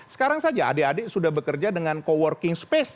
sekarang saja adik adik sudah bekerja dengan co working space